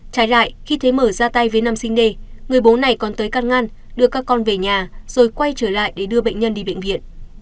trái lại khi thấy mở ra tay với nam sinh d người bố này còn tới căn ngăn đưa các con về nhà rồi quay trở lại để đưa bệnh nhân đi bệnh viện